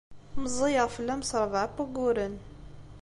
Meẓẓiyeɣ fell-am s ṛebɛa n wayyuren.